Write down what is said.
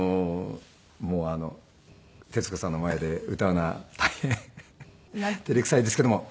もう徹子さんの前で歌うのは大変照れくさいですけども。